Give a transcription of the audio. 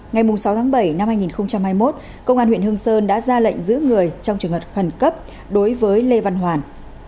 ngày sáu tháng bảy năm hai nghìn hai mươi một công an huyện hương sơn đã ra lệnh giữ người trong trường hợp khẩn cấp đối với lê văn hoàn